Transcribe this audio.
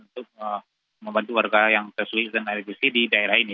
untuk membantu warga yang sesuai dengan regusi di daerah ini